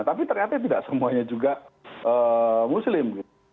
tapi ternyata tidak semuanya juga muslim